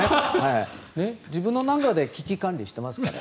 自分の中で危機管理していますから。